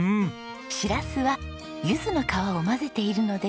しらすはゆずの皮を混ぜているので爽やか。